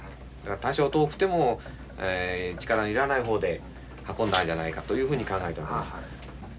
多少遠くても力のいらない方で運んだんじゃないかというふうに考えたわけです。